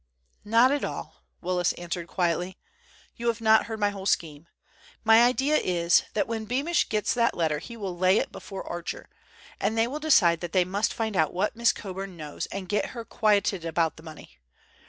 "Not at all," Willis answered quietly. "You have not heard my whole scheme. My idea is that when Beamish gets that letter he will lay it before Archer, and they will decide that they must find out what Miss Coburn knows, and get her quieted about the money.